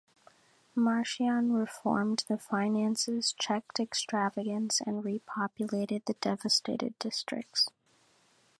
Marcian reformed the finances, checked extravagance, and repopulated the devastated districts.